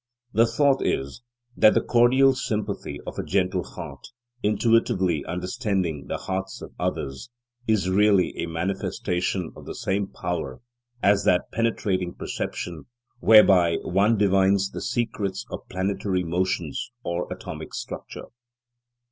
The thought is, that the cordial sympathy of a gentle heart, intuitively understanding the hearts of others, is really a manifestation of the same power as that penetrating perception whereby one divines the secrets of planetary motions or atomic structure.